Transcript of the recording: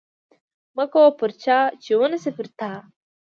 مه کوه پر چا چې ونشي پر تا